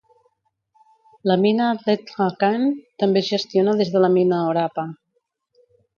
La mina Letlhakane també es gestiona des de la mina Orapa.